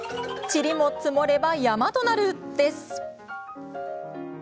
ちりも積もれば山となるです。